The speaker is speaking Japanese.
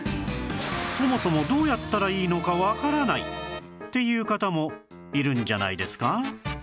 そもそもどうやったらいいのかわからないっていう方もいるんじゃないですか？